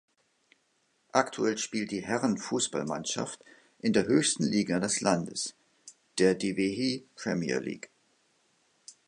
Aktuell spielt die Herren-Fußballmannschaft in der höchsten Liga des Landes, der Dhivehi Premier League.